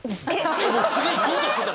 次いこうとしてた！